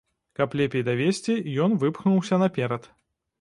Каб лепей давесці, ён выпхнуўся наперад.